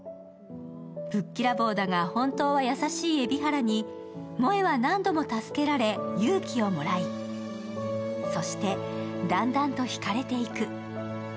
ぶっきらぼうだが本当は優しい蛯原に萌衣は何度も助けられ、勇気をもらい、そしてだんだんと引かれていく。